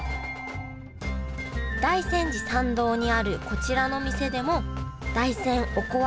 大山寺参道にあるこちらの店でも大山おこわ